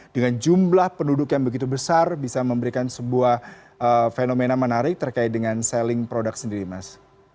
dengan jumlah penduduk yang begitu besar bisa memberikan sebuah fenomena menarik terkait dengan selling product sendiri mas